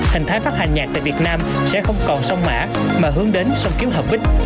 hình thái phát hành nhạc tại việt nam sẽ không còn sông mã mà hướng đến sông kiến hợp ích